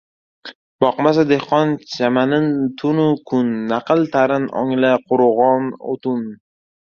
Boqmasa dehqon chamanin tunu kun, Naql tarin ongla qurug‘on o‘tun.